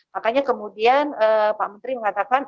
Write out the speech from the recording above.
makanya kemudian pak menteri mengatakan